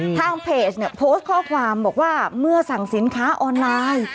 ทางเพจเนี่ยโพสต์ข้อความบอกว่าเมื่อสั่งสินค้าออนไลน์